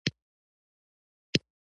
په افغانستان کې د طلا منابع شته.